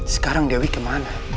sekarang dewi kemana